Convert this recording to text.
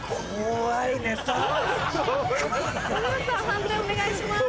判定お願いします。